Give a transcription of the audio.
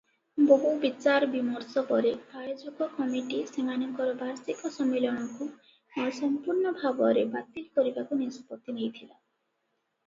ବହୁ ବିଚାର ବିମର୍ଶ ପରେ ଆୟୋଜକ କମିଟି ସେମାନଙ୍କର ବାର୍ଷିକ ସମ୍ମିଳନୀକୁ ସମ୍ପୂର୍ଣ୍ଣ ଭାବରେ ବାତିଲ କରିବାକୁ ନିଷ୍ପତ୍ତି ନେଇଥିଲା ।